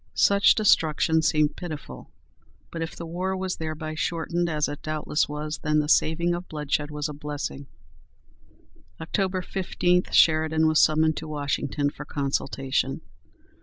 Such destruction seemed pitiful, but if the war was thereby shortened, as it doubtless was, then the saving of bloodshed was a blessing. Oct. 15 Sheridan was summoned to Washington for consultation.